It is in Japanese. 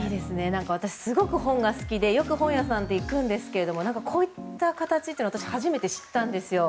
私すごく本が好きでよく本屋さんて行くんですが何かこういった形って私、初めて知ったんですよ。